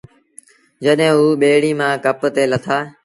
جڏهيݩٚ اوٚ ٻيڙيٚ مآݩٚ ڪپ تي لٿآ